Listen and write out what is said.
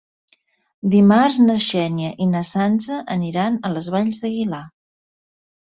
Dimarts na Xènia i na Sança aniran a les Valls d'Aguilar.